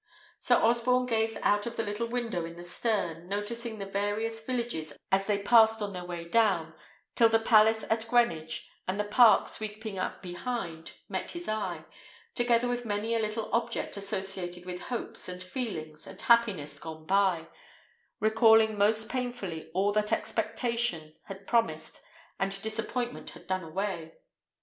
Sir Osborne gazed out of the little window in the stern, noticing the various villages that they passed on their way down, till the palace at Greenwich, and the park sweeping up behind, met his eye, together with many a little object associated with hopes, and feelings, and happiness gone by, recalling most painfully all that expectation had promised and disappointment had done away.